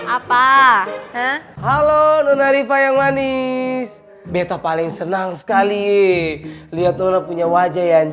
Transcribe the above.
apa halo nunaripa yang manis beta paling senang sekali lihat orang punya wajah yang